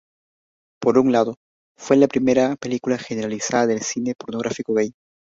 Por un lado, fue la primera película generalizada de cine pornográfico gay.